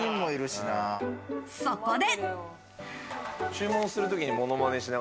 そこで。